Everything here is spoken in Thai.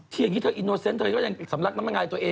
เที่ยงที่เธออินโนเซนต์เธอยังสำรับน้ำมะงายตัวเอง